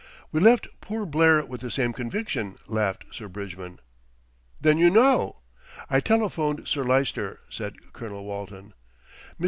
"We left poor Blair with the same conviction," laughed Sir Bridgman. "Then you know?" "I telephoned Sir Lyster," said Colonel Walton. "Mr.